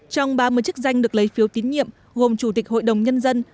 trong ba mươi chức danh được lấy phiếu tín nhiệm gồm chủ tịch hội đồng nhân dân